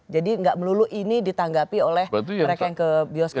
jadi gak melulu ini ditanggapi oleh mereka yang ke bioskop